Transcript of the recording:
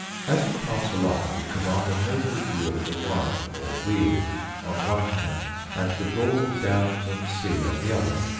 As you pass along you command a noble view of the wild, or weald, on one hand, and the broad downs and sea on the other.